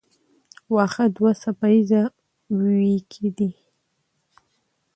واښه دوه څپه ایزه وییکي دي.